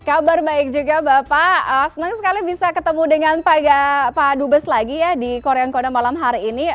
kabar baik juga bapak senang sekali bisa ketemu dengan pak dubes lagi ya di korea ngoda malam hari ini